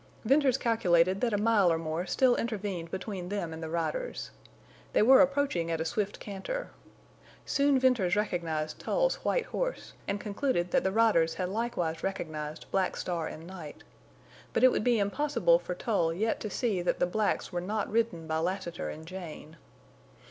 Venters calculated that a mile or more still intervened between them and the riders. They were approaching at a swift canter. Soon Venters recognized Tull's white horse, and concluded that the riders had likewise recognized Black Star and Night. But it would be impossible for Tull yet to see that the blacks were not ridden by Lassiter and Jane.